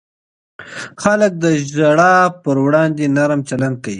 خلک د ژړا پر وړاندې نرم چلند کوي.